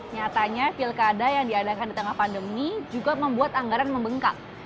nyatanya pilkada yang diadakan di tengah pandemi juga membuat anggaran membengkak